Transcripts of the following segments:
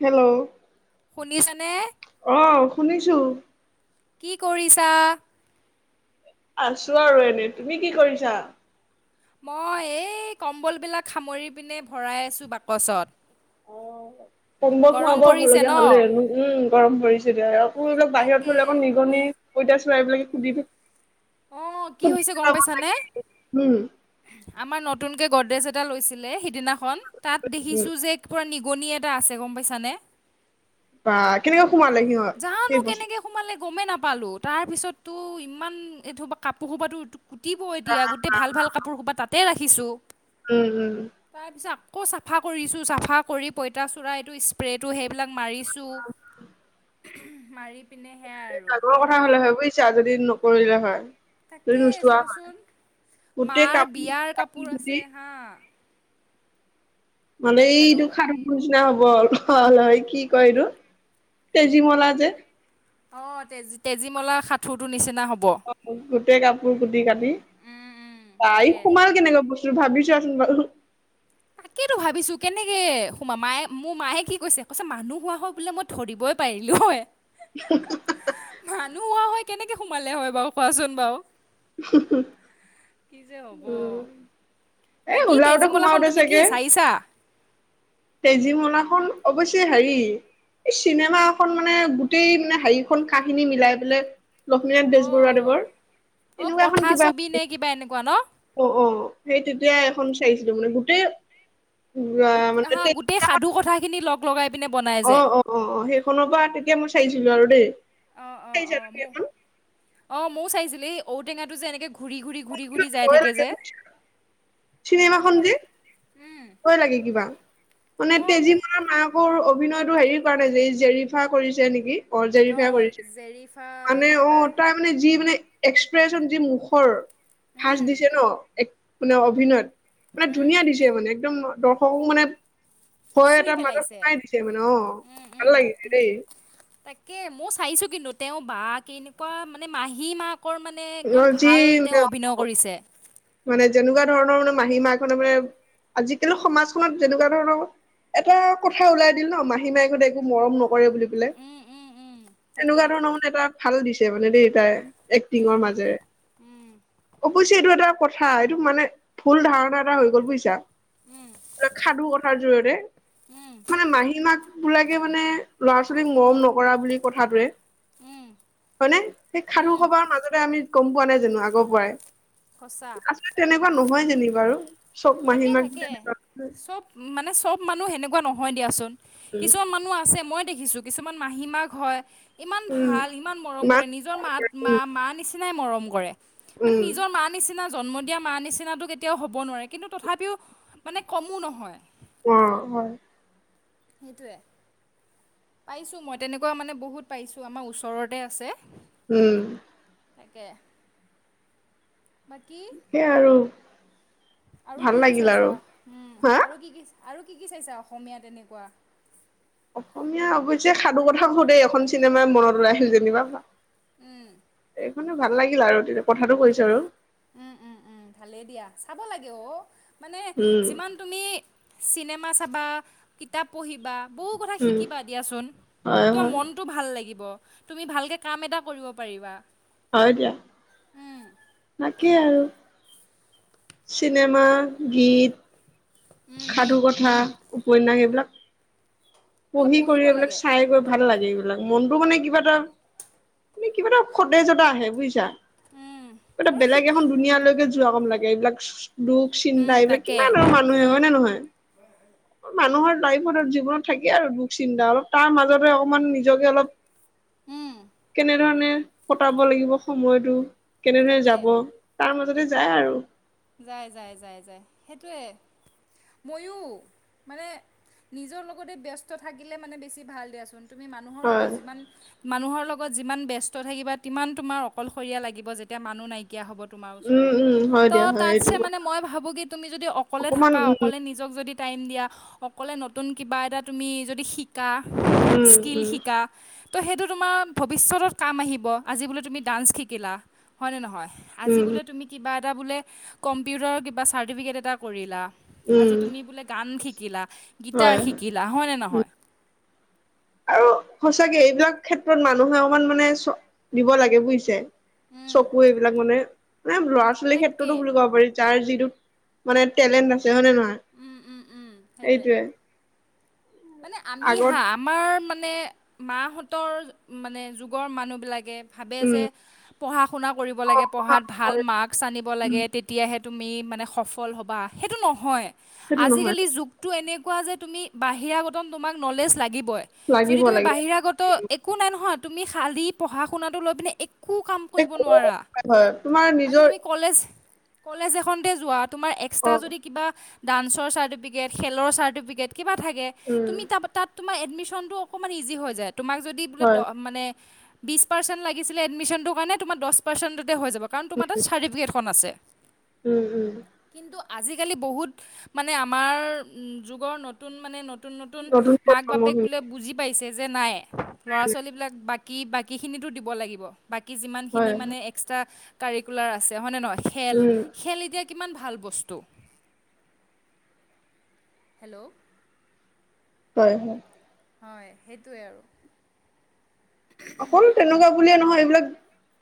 Hello. শুনিছানে? অ', শুনিছো। কি কৰিছা? আছোঁ আৰু এনে, তুমি কি কৰিছা? মই, এই কম্বল বিলাক সামৰি পিনে ভৰাই আছোঁ বাকচত। [inaudible] কম্বল গৰম খুমাব পৰিছে ন? হ'বলগীয়া হলেই, উম, গৰম পৰিছে দিয়া, আকৌ এইবিলাক বাহিৰত তাকে। থ'লে আকৌ নিগনি পইতা চৰাই এইবিলাকে কুটি থাকে। অ', কি হৈছে গম পাইছানে? উম আমাৰ নতুন কে গডৰেজ এটা লৈছিলে, সিদিনাখন তাত উম দেখিছো যে পোৰা নি গনি, এটা আছে গম পাইছানে? বা কেনেকা সোমালে সিহঁত জানো সেই বস্তু কেনেকে সোমালে গমেই নাপালোঁ, তাৰপিছততো ইমান এই কাপোৰ সোপাটো কুটিব এতিয়া, গোটেই ভাল ভাল কাপোৰ সোপা তাতে ৰাখিছোঁ। উম উম তাৰপিছত আকৌ চাফা কৰিছোঁ, চাফা কৰি পইতাচোৰা এইটো স্প্ৰেটো সেইবিলাক মাৰিছোঁ মাৰি পিনে সেয়া আৰু ডাঙৰ কথা সেনেকে হ'লে হয় বুজিছা যদি নকৰিলে হয়। ধই তাকেই নুচোৱা চোৱাচোন। হয় গোটেই মাৰ বিয়াৰ কাপোৰ আছে কিদি হা মানে এইটো হেল্ল' খাৰুৰ নিচিনা হ'ব আৰু। ভল হয় কি কয় এইটো? তেজীমলা যে। অ, তেজী তেজীমলা সাঁঠুৰটো নিচিনা হ'ব। অ', গোটেই কাপোৰ কুটি কাটি উম উম বা, ই তাকে। সোমাল কেনেকুৱা বস্তু ভাবিছোঁ। [unintelligible] তাকে টো, ভাবিছোঁ কেনেকে সোমায়, মায়ে মোৰ মায়ে কি কৈছে- কৈছে মানুহ হোৱা হয় বোলে মই ধৰিবই পাৰিলোঁ হয়। [unintelligible] মানুহ হোৱা হয় কেনেকে সোমালে হয় বাৰু কোৱাচোন বাৰু? উ হ [unintelligible] কি যে হ'ব। এ বাকী ওলাওঁতে তেজীমলাখন সোমাওঁতে তুমি কি চাগে, চাইছা? তেজী মলা। অৱশ্যে হেৰি এই চিনেমা এখন মানে গোটেই মানে হেৰিখন কাহিনী মিলাই পেলাই লক্ষ্মীনাথ অঁ বেজবৰুৱাদেৱৰ অঁ এনেকুৱা এখন কথা কিবা ছবি নে কিবা এনেকুৱা ন? অ' অ' সেই তেতিয়য়া এখন চাইিছিলো মানে, গোটেই গ গোট হা মানেনি গোটেই সাধু [unintelligible] কথাখিনি লগ লগাই পিনে বনাই যে অ' অ' অ' অ' সেইখনৰ পৰা তেতিয়া মই চাইছিলো আৰু দেই। অ' অ' চাইছা অ' তুমি ম এখন ময়ো চাইছিলি এই ঔ টেঙাটো যে এনেকে ঘূৰি ঘূৰি ঘূৰি ঘূৰি যাই ভয় থাকে লাগে যে, বুজিছা। চিনেমাখন যে মোৰ ভয় লাগে কিবা, মানে ভ- তেজীমলাৰ মাকৰ অভিনয়তটো হেৰি কৰা নাই যে জেৰিফা কৰিছে নেকি? অ' জেৰিফাই অঁ কৰিছে, জেৰিফা মানে কিবা অ' তাই মানে যি মানে এক্সপ্ৰেচন যি মুখৰ ভাজ উম, দিছে ন এক মানে অভিনয়ত মানে ধুনীয়া দিছে মানে একদম দৰ্শকক মানে ভয় চুই এটাৰ মাজত পেলাইছে সোমাই দিছে মানে, অ' ভাল লাগিছে দেই। কে মই চাইছো কিন্তু তেওঁ বা কেনেকুৱা মানে মাহী মাক কৰ মানে একদম অ যি ভাল তেওঁ অভিনয় কৰিছে। মানে যেনেকুৱা ধৰণৰ মানে মাহী মাকহ'তে, মানে আজিকালি সমাজখনত যেনেকুৱা ধৰণৰ এটা কথা ওলাই দিওঁ ন, মাহী মাই ঘত একো মৰম নক কৰে বুলি পাই উম উম উম তাকে এনেকুৱা ধৰণৰ মানে এটা ভাল দিছে মানে দেই। এক্টিঙৰ মাজেৰে, অৱশ্যে এইটো এটা কথা এইটো মানে ভুল ধাৰণা এটা হৈ গ'ল বুজিছা। সাধু কথাৰ জৰিয়তে মানে মাহীমাক বোলাকে মানে ল'ৰা ছোৱালীক মৰম ন কৰা বুলি কথাটোয়ে হয় নে সেই সাধুসবাৰ মাজতে আমি গ'ম পোৱা নাই জানো আগৰ পৰাই সঁচা আচলতে তেনেকুৱা নহয় যেনি বাৰু। চব মাহী থাকে মাক থাকে তেনেকুৱা চব মানে চব মানুহ সেনেকুৱা নহয় দিয়াচোন, উম, কিছুমান মানুহ আছে মই দেখিছো কিছুমান মাহী মাক হয় ইমান উম, ভাল ইমান মৰম কৰে নিজৰ মাত মা উম, মা নিচিনাই মৰম কৰে। মানে উম, নিজৰ মা নিচিনা জন্ম দিয়া মা নিচিনাটো কেতিয়াওঁ হ'ব নোৱাৰে কিন্তু তথাপিও মানে কমো নহয়। অ' হয়। সেইটোৱেই। পাইছো, মই তেনেকুৱা মানে বহুত পাইছো, আমাৰ ওচৰতে আছে। উম। তাকে। বাকী সেইয়াই আৰু। আৰু ভাল কি কি লাগিল চাইছা, আৰু উম, হা? আৰু কি কি? আৰু কি কি চাইছা অসমীয়া তেনেকুৱা? অসমীয়া অৱশ্যে সাধু কথা সুধেই, এখন চিনেমা মনলৈ আহিল যেনিবা। উম মানে ভাল লাগিল আৰু তেতিয়া কথাটো কৈছো আৰু। উম উম উম ভালেই দিয়া চাব লাগে অ' মানে উম যিমান তুমি চিনেমা চাবা, কিতাপ পঢ়িবা বহু কথা উম শিকিবা দিয়াচোন হয় তৰ হয়। মনটো ভাল লাগিব। তুমি ভালকে কাম এটা কৰিব পাৰিবা। হয় দিয়া উম, তাকেই তাকে আৰু চিনেমা গীত উম, সাধু কথা উপন্যাস এইবিলাক এইবিলাক পঢ়ি কৰি, পঢ়িব এইবিলাক লাগে। চাই গৈ ভাল লাগে এইবিলাক, মনটো মানে কিবা এটা, মানে কিবা এটা সতেজতা আহে বুজিছা? উম, কিবা এটা আৰু বেলেগ শিকি এখন দুনীয়ালৈকে যোৱা গম লাগে এইবিলাক দুখ, চিন্তা উম, এইবিলাক তাকে কিমান আৰু মানুহে হয় নে নহয়? মানুহৰ লাইফত-জীৱনত থাকেই আৰু দুখ চিন্তা অলপ, তাৰ মাজতে অকমান নিজকে অলপ উম, কেনেধৰণে কটাব লাগিব সময়টো কেনেধৰণে তাকে যাব, তাৰ মাজতে যায় আৰু। যাই যাই যাই যাই, সেইটোৱেই। ময়ো, মানে নিজৰ লগতে ব্যস্ত থাকিলে মানে বেছি ভাল দিয়াচোন। তুমি মানুহৰ হয় লগত যিমান, মানুহৰ লগ যিমান ব্যস্ত থাকিবা, তিমান তোমাৰ অকলশৰীয়া লাগিব, যেতিয়া মানুহ নাই কিয়া হ'ব তোমাৰ উম ওচৰত। উম হয় ত', দিয়া হয় এইটো তাতছে মানে মই ভাৱোঁ, কি তুমি যদি অকলে অকমান থাকা উম অকলে নিজক যদি টাইম দিয়া, অকলে নতুন কিবা এটা তুমি যদি শিক শিকা, উম স্কিল উম শিকা ত', সেইটো তোমাৰ ভৱিষ্যতত কাম আহিব, আজি বোলে তুমি ডান্স শিকিলা, হয়নে নহয়? আজি উম বোলে তুমি কিবা এটা বোলে, কম্পিউটাৰৰ কিবা চাৰ্টিফিকেট এটা কৰিলা আজি উম তুমি বোলে গান শিকিলা, গীটাৰ হয় শিকিলা, হয়নে উম নহয়? আৰু সঁচাকে, এইবিলাক ক্ষেত্ৰত মানুহে অকমান মানে চক দিব লাগে বুজিছে? উম, চকু এইবিলাক মানে, মানে ল'ৰা-ছোৱালীৰ তাকে ক্ষেত্ৰতো বুলি ক'ব পাৰি, যাৰ যি মানে টেলেণ্ট আছে, হয় নে নহয়, উম উম উম সেইটোৱে সেইটোৱেই। মানে আমি হা, আমাৰ মা মানে মাহঁতৰ, মানে যুগৰ মানুহ বিলাকে ভাৱে উম যে পঢ়া শুনা কৰিব লাগে, পঢ়াত ভাল মাৰ্কছ আনিব উম, লাগে, তেতিয়াহে তুমি মানে সফল হ'বা, সেইটো নহয়, সেইটো নহয় আজিকালি যুগটো এনেক কোৱা যে তুমি বাহিৰাগত তোমাক নলেজ লাগিবই, যদি লাগিব তুমি লাগিব বাহিৰাগত একো নাই নহয় তুমি খালি পঢ়া শুনাটো লৈ পিনে এক কো কাম এই কৰিব ক- নোৱাৰা, হয় তোমাৰ আজি নিজৰ তুমি কলেজ কলেজ এখনতে যোৱা, তোমাৰ অ এক্সট্ৰা যদি কিবা ডান্সৰ চাৰ্টিফিকেট, খেলৰ চাৰ্টিফিকেট কিবা থাকে, উম তুমি তা-তাত তোমাৰ এডমিশ্যনটো অকণমান ইজি হৈ যায়। তোমাক যদি বোলে হয় মানে, বিশ পাৰ্চেণ্ট লাগিছিলে এডমিশ্যনটো কাৰণে, তোমাৰ দচ পাৰ্চেণতে তে হৈ যাব, কাৰণ তোমাৰ তাত চাৰ্টিফিকেটখন আছে। উম উম। কিন্তু আজিকালি বহুত, মানে আমাৰ যুগৰ নতুন মানে নত নতুন নতুন মাক বাপেক বোলে বুজি পাইছে যে নাই, ল'ৰা ছোৱালীবিলাক কি বাকীখিনিতো দিব লাগিব, বাকী যিমানখিনি হয় মানে এক্সট্ৰা কাৰিকুলাৰ আছে, হয়নে নহয়? খেল, উম খেল এতিয়া কিমান ভাল বস্তু। হেল্ল' হয়, হয়, হয়, সেইটোৱে আৰু। অকল তেনেকুৱা বুলিয়ে নহয় এইবিলাক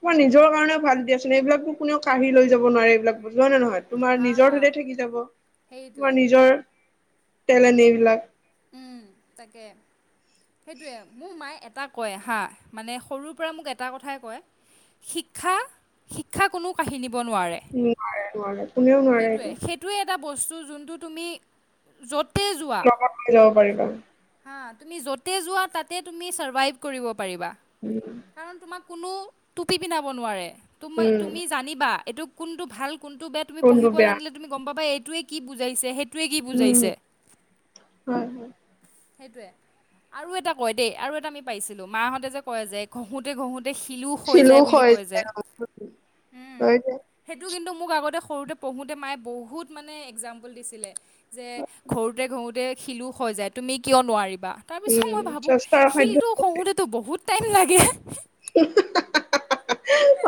তই নিজৰ কাৰণে ভাল দিয়াচোন, এইবিলাকটো কোনোৱেও কাঢ়ি লৈ যাব নোৱাৰে, এইবিলাক বস্তু হয় নে নহয়? তোমাৰ হা নিজৰ হা তাতে থাকি যাব, সেইটোৱে তোমাৰ নিজৰ টেলেণ্ট এইবিলাক। সেইটোৱে মোৰ মায়ে এটা কয় হা, মানে সৰুৰ পৰা মোক এটা কথাই কয় শিক্ষা, শিক্ষা কোনো কাঢ়ি নি হ'ব নোৱাৰে, নোৱাৰে নোৱাৰে কোনেও নোৱাৰে সেইটোৱে, এইটো সেইটোৱেই এটা বস্তু, জোনটো তুমি, য'ত লগত লৈ যাব পাৰিবা। হা তুমি যতে যোৱা তাতে তুমি চাৰ্ভাইব কৰিব পাৰিবা, উম কাৰন তোমাক কোনো টুপী পিন্ধাব নোৱাৰে, তুমি উম তুমি জানিবা এইটো কোনটো ভাল কোনটো বেয়া তুমি কোনটো পঢ়িব বেয়া জানিলে গম পাবা এইটোৱে কি বুজাইছে সেইটো এই টোৱে কি উম বুজাইছে? হয় হয় সেইটোৱে আৰু এটা কয় দেই আৰু এটা আমি পাইছিলো মাহঁতে যে কয় যে ঘঁহোতে ঘঁহোতে শিলো ক্ষয় যায় বুলি কয় যে উম, হয় দে সেইটো কিন্তু মোক আগতে সৰুতে পঢ়োঁতে মায়ে বহুত মানে একজাম্পল দিছিলে যে ঘঁহোতে ঘঁহোতে শিলো ক্ষয় যায়। তুমি কিয় নোৱাৰিবা তাৰপিছত, উম মই ভাবোঁ চেষ্টাৰ সাধ্য শিলটো খহোতেতো বহুত টাইম লাগে।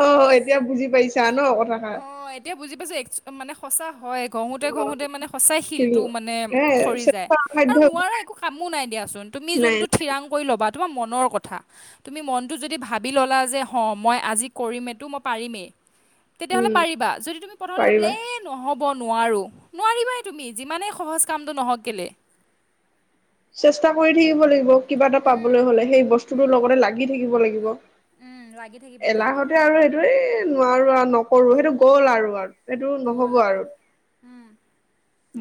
অ', এতিয়া বুজি পাইিছা ন কথাষাৰ? অ' এতিয়া বুজি মানে সঁচা হয়, ঘঁহোতে অ ঘঁহোতে মানে সঁচাই শিলটো শিকিলো মানে হে খৰি যায় চেষ্টাৰ অসাধ্য আৰু নোৱাৰা একো কামো নাই দিয়া তুমি নাই যোনটো থিৰাং কৰি ল'বা তোমাৰ মনৰ কথা তুমি মনটো যদি ভাবি ল'লা যে হ মই আজি কৰিম এইটো মই পাৰিমেই তেতিয়াহ'লে উম পাৰিবা যদি তুমি প্ৰথমতে ভাবিলা পাৰিবা এই নহ'ব নোৱাৰো নোৱাৰিবাই তুমি যিমানেই সহজ কামটো নহক কেলে। চেষ্টা কৰি থাকিব লাগিব কিবা এটা পাবলৈ হলে সেই বস্তুটোৰ লগতে লাগি থাকিব লাগিব। এলাহতে আৰু সেইটো এই নোৱাৰো আৰু নকৰো সেইটো গ'ল আৰু। সেইটো নহ'ব আৰু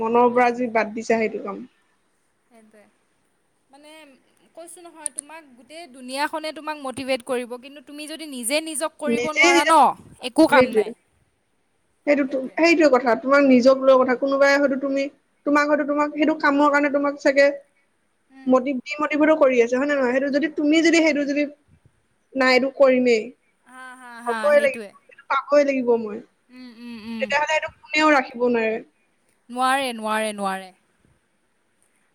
মনৰ পৰা যি বাদ দিছা সেইটো কাম। সেইটোৱেই। মানে কৈছো নহয় তোমাক গোটেই ধুনীয়াখনে তোমাক মটিভেট কৰিব কিন্তু তুমি যদি নিজে নিজক কৰিব নিজে নোৱাৰা নিজক ন' একো কাম সেইটোৱে নাই। সেইটো সেইটোয়ে কথাত। তোমাক নিজক লৈ কথা কোনোবাই হয়তো তুমি তোমাক হয়তো তোমাক সেইটো কামৰ কাৰণে তোমাক চাগে মটিভ, ডিমটিভেত কৰি আছছে হয় ন নে নহয় সেইটো যদি তুমি যদি সেইটো যদি নাই এইটো কৰিমেই হা হা হা হবই লাগিব সেইটোৱে সেইটো পাবই লাগিব মই। উম, উম তেতিয়াহলে এইটো কোনেও ৰাখিব নোৱাৰে। নোৱাৰে, নোৱাৰে, নোৱাৰে।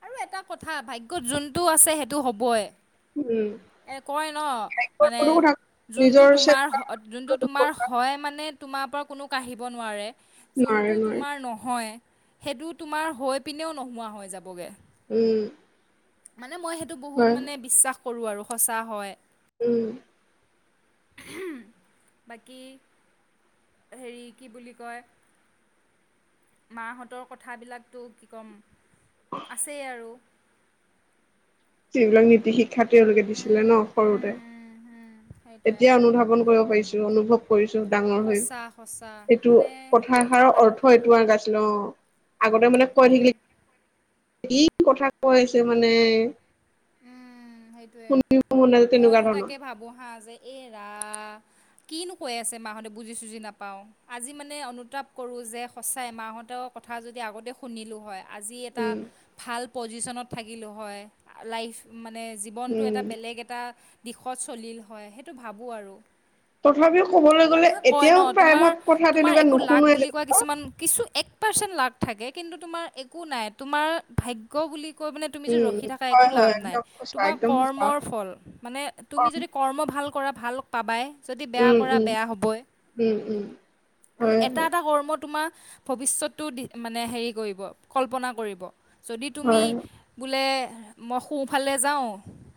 আৰু এটা কথা ভাগ্যত যোনটো আছে সেইটো হবই। উম এ কয় ন ভাগ্যৰ মানে কোনো কথা যোনটো নিজৰ তোমাৰ চেষ্টা যোনটো তোমাৰ হয় মানে তোমাৰ পৰা কোনো কাঢ়িব নোৱাৰে নোৱাৰে যোনটো নোৱাৰে তোমাৰ নহয় সেইটো তোমাৰ হৈ পিনেও নোহোৱা হৈ যাবগে। উম, মানে মই সেইটো বহুত হয় মানে বিশ্বাস কৰো আৰু সঁচা হয়। উম উম বাকী হেৰি কি বুলি কয় মাহঁতৰ কথাবিলাক কি ক'ম, আছেই আৰু। যবিলাক নীতি শিক্ষা তেওঁলোকে দিছিলে ন সৰুতে। এতিয়া অনুধাৱন কৰিব পাৰিছো, অনুভৱ কৰিছো। ডাঙৰ হৈ সঁচা সঁচা এইটো মানে কথাষাৰৰ অৰ্থ এইটো আগ আছিল অ' আগতে মানে কৈ থাকিলে কি কথা কৈছে মানে? উম, সেইটোয়ে শুনিব মন নাযায় তেনেকুৱা মইতো ধৰণৰ তাকে ভাবো হা যে এই ৰা কিনো কৈ আছে মাহঁতে বুজি চুজি নাপাও আজি মানে অনুতাপ কৰো যে সঁচাই মাহঁতক কথা যদি আগতে শুনিলো হয়। আজি এটা উম, ভাল পজিশ্বনত থাকিলোঁ হয় লাইফ মানে জীৱনটো উম, এটা বেলেগ এটা দিশত চলিল হয় সেইটো ভাবোঁ আৰু তথাপিও ক'বলৈ গ'লে মানুহে কয় এতিয়াও ন' তোমাৰ প্ৰায়ভাগ কথা তোমাৰ তেনেকুৱা একো লাক নুশুনোৱে যে বুলি কোৱা কিছুমান কিছু এক পাৰচেন লাক থাকে। কিন্তু তোমাৰ একো নাই তোমাৰ ভাগ্য বুলি কৈ পিনে তুমি উম, যদি উম, ৰখি থাকা একো হয়, লাভ হয়, নাই। একদম সঁচা, তোমাৰ একদম সঁচা। কৰ্মৰ ফল, মানে তুমি যদি কৰ্ম ভাল কৰা ভাল পাবাই। যদি বেয়া উম, কৰা উম, বেয়া হ'বৈ, উম, উম, আৰু হয়, এটা হয়, এটা কৰ্ম তোমাৰ ভৱিষ্যতটো দি মানে হেৰি কৰিব কল্পনা কৰিব। যদি তুমি হয়, বোলে মই সোঁফালে যাওঁ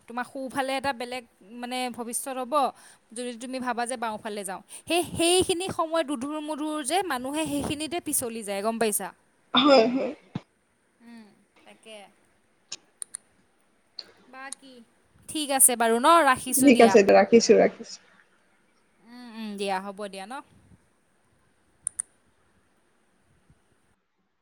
তোমাৰ সোঁফালে এটা বেলেগ মানে ভৱিষ্যত হ'ব যদি তুমি ভাবা যে বাওঁফালে যাওঁ। সেইখিনি সময়ত দোধোৰ-মোধোৰ যে মানুহে সেইখিনিতে পিছলি যায় গ'ম পাইছা। হয় হয়। উম তাকে। ঠিক আছে বাৰু ন ৰাখিছো ঠিক দিয়া। আছে দে ৰাখিছোঁ, ৰাখিছোঁ। উম উম দিয়া হ'ব দিয়া ন।